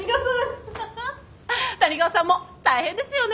谷川さんも大変ですよね。